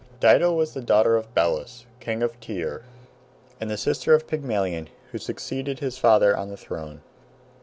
Dido was the daughter of Belus, king of Tyre, and sister of Pygmalion, who succeeded his father on the throne.